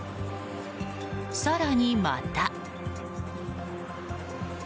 更に、また。